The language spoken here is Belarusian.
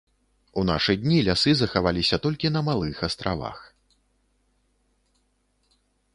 У нашы дні лясы захаваліся толькі на малых астравах.